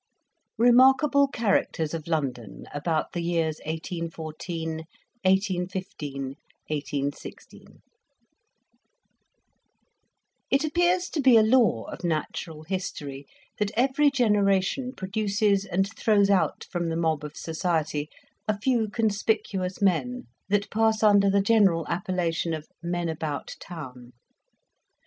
REMARKABLE CHARACTERS OF LONDON ABOUT THE YEARS 1814, 1815, 1816 It appears to be a law of natural history that every generation produces and throws out from the mob of society a few conspicuous men, that pass under the general appellation of "men about town."